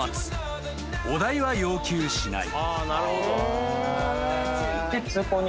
［お代は要求しない］